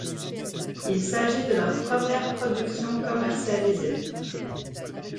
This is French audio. Il s'agit de leur première production commercialisée.